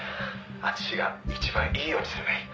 敦が一番いいようにすればいい」